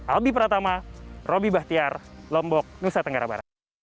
albi pratama roby bahtiar lombok nusa tenggara barat